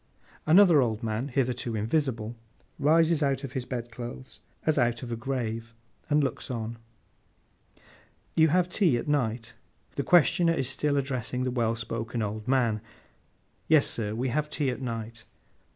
Another old man, hitherto invisible, rises out of his bed clothes, as out of a grave, and looks on. 'You have tea at night?' The questioner is still addressing the well spoken old man. 'Yes, sir, we have tea at night.